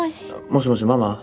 もしもしママ？